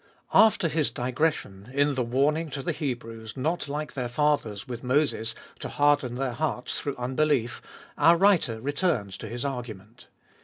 AFTER his digression, in the warning to the Hebrews not like their fathers with Moses, to harden their hearts through unbelief, our writer returns to his argument.